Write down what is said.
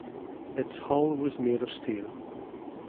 Its hull was made of steel.